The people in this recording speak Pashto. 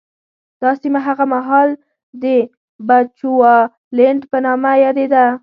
دا سیمه هغه مهال د بچوالېنډ په نامه یادېده.